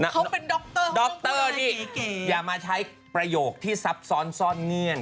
เขาเป็นดรดรนี่อย่ามาใช้ประโยคที่ซับซ้อนซ่อนเงื่อน